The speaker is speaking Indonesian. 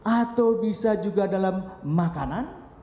atau bisa juga dalam makanan